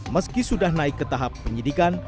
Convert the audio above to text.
meski sudah naik ke tahap penyidikan